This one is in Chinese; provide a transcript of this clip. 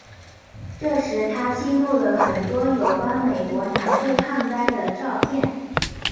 这时他记录了很多有关美国南部旱灾的照片。